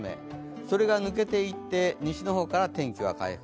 それが抜けていって西の方から天気は回復。